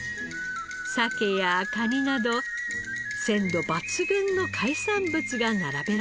サケやカニなど鮮度抜群の海産物が並べられています。